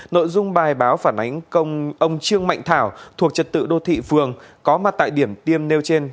nội dung bài báo phản ánh ông trương mạnh thảo thuộc trật tự đô thị phường có mặt tại điểm tiêm nêu trên